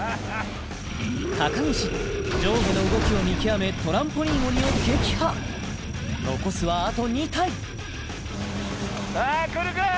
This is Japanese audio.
高岸上下の動きを見極めトランポリン鬼を撃破残すはあと２体さあ来るか？